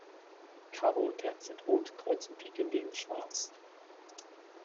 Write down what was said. Karo und Herz sind rot, Kreuz und Pik hingegen schwarz.